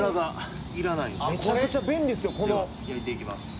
では焼いていきます。